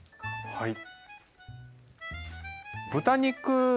はい。